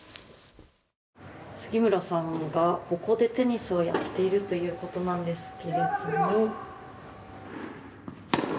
杉村さんがここでテニスをやっているということなんですが。